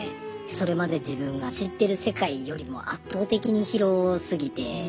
それまで自分が知ってる世界よりも圧倒的に広すぎて。